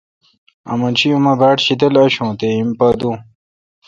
آمن شی اوما باڑ شیدل آشوں تے ہیم پا دوں